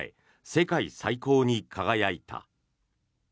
世界最高に輝いた。